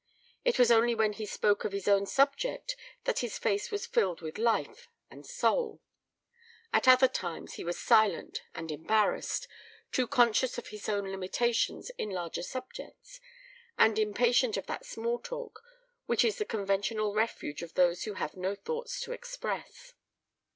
It was only when he spoke of his own subject that his face was filled with life and soul. At other times he was silent and embarrassed, too conscious of his own limitations in larger subjects, and impatient of that small talk which is the conventional refuge of those who have no thoughts to express.